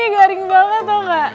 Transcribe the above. garing banget tau nggak